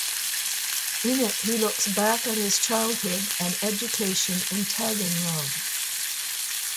In it, he looks back at his childhood and education in Taganrog.